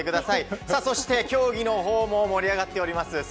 さあ、そして競技のほうも盛り上がっております。